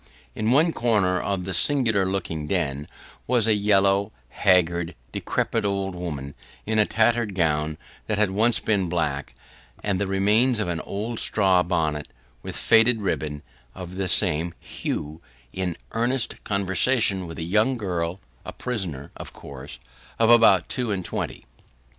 In one corner of this singular looking den, was a yellow, haggard, decrepit old woman, in a tattered gown that had once been black, and the remains of an old straw bonnet, with faded ribbon of the same hue, in earnest conversation with a young girl a prisoner, of course of about two and twenty.